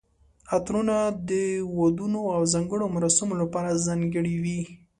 عطرونه د ودونو او ځانګړو مراسمو لپاره ځانګړي وي.